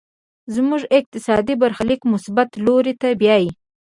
زموږ اقتصادي برخليک مثبت لوري ته بيايي.